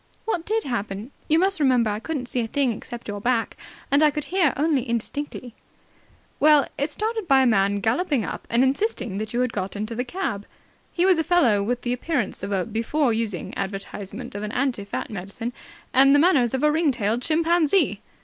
"What did happen? You must remember I couldn't see a thing except your back, and I could only hear indistinctly." "Well, it started by a man galloping up and insisting that you had got into the cab. He was a fellow with the appearance of a before using advertisement of an anti fat medicine and the manners of a ring tailed chimpanzee."